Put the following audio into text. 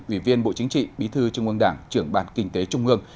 ủy viên bộ chính trị bí thư trung ương đảng trưởng bàn kinh tế trung ương